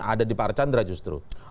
ada di pak archandra justru